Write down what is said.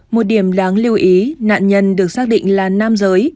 một điểm đáng lưu ý nạn nhân được xác định là nam giới